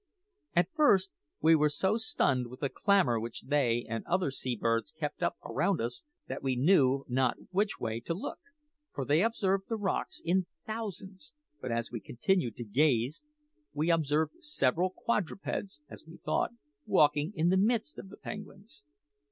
At first we were so stunned with the clamour which they and other sea birds kept up around us that we knew not which way to look, for they covered the rocks in thousands; but as we continued to gaze, we observed several quadrupeds (as we thought) walking in the midst of the penguins.